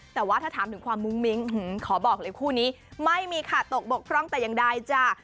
แต่ว่าถ้าถามถึงความมุ้งมิ้งขอบอกเลยคู่นี้ไม่มีขาดตกบกพร่องแต่อย่างใดจ้ะ